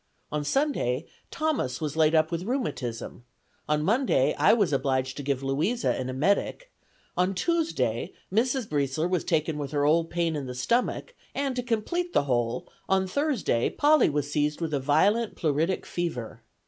On Sunday, Thomas was laid up with rheumatism; on Monday, I was obliged to give Louisa an emetic; on Tuesday, Mrs. Briesler was taken with her old pain in her stomach; and, to complete the whole, on Thursday, Polly was seized with a violent pleuritic fever.